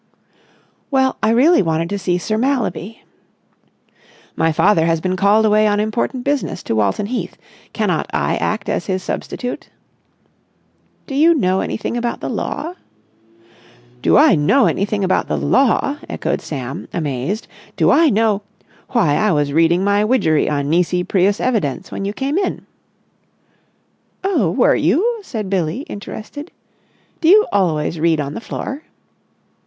"Well, I really wanted to see Sir Mallaby." "My father has been called away on important business to Walton Heath. Cannot I act as his substitute?" "Do you know anything about the law?" "Do I know anything about the law!" echoed Sam, amazed. "Do I know——! Why, I was reading my Widgery on Nisi Prius Evidence when you came in." "Oh, were you?" said Billie, interested. "Do you always read on the floor?"